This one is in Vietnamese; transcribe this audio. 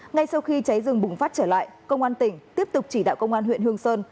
ngay sau khi cháy rừng bùng phát trở lại công an tỉnh tiếp tục chỉ đạo công an huyện hương sơn